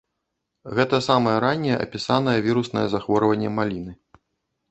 Гэта самае ранняе апісанае віруснае захворванне маліны.